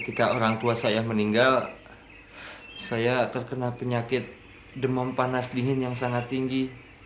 ketika orang tua saya meninggal saya terkena penyakit demam panas dingin yang sangat tinggi